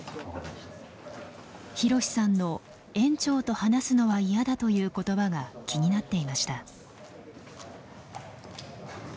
ひろしさんの「園長と話すのは嫌だ」という言葉が気になっていました。